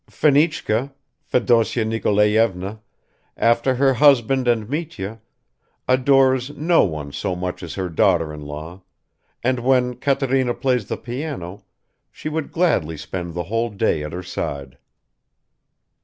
Fenichka, Fedosya Nikolaevna, after her husband and Mitya, adores no one so much as her daughter in law, and when Katerina plays the piano, she would gladly spend the whole day at her side.